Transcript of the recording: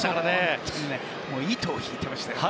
本当に糸を引いてましたね。